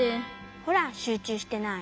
ほらしゅうちゅうしてない。